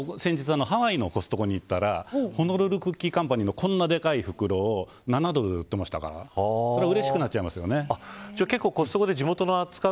先日ハワイのコストコに行ったらホノルルクッキーカンパニーのこんなでかい袋が７ドルで売っていましたからうれしくなっちゃいますよね。